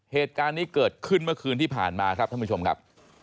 เหตุการณ์นี้เกิดขึ้นเมื่อคืนที่ผ่านมาครับท่านผู้ชมครับ